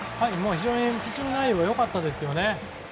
非常にピッチング内容が良かったですよね。